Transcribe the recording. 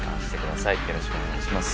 よろしくお願いします。